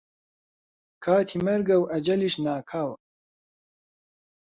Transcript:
کاتی مەرگە و ئەجەلیش ناکاوە